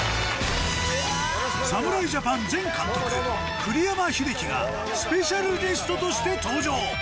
侍ジャパン前監督栗山英樹がスペシャルゲストとして登場！